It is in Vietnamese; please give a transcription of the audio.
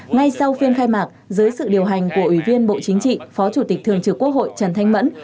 ngay sau phiên khai mạc dưới sự điều hành của ủy viên bộ chính trị phó chủ tịch thường trực quốc hội trần thanh mẫn